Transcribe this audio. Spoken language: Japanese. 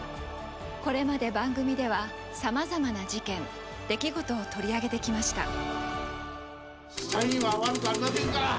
これまで番組ではさまざまな事件出来事を取り上げてきました。